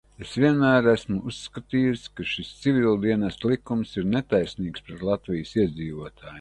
Es vienmēr esmu uzskatījusi, ka šis Civildienesta likums ir netaisnīgs pret Latvijas iedzīvotājiem.